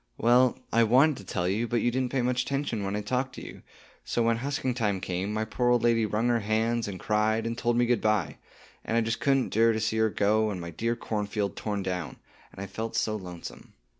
"Well, I wanted to tell you, but you didn't pay much 'tention when I talked to you; so, when husking time came, my poor old lady wrung her hands and cried, and told me good bye, and I just couldn't 'dure to see her go, and my dear cornfield torn down, and I have felt so lonesome.